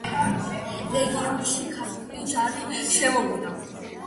რეგიონში ქართული ჯარი შემოვიდა.